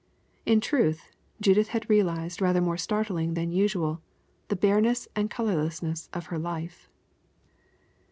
In truth, Judith had realized rather more startlingly than usual the bareness and colorlessness of her life.